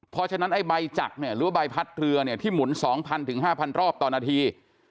เพราะฉะนั้นใบจักรหรือใบพัดเรือที่หมุน๒๐๐๐๕๐๐๐รอบต่อนาที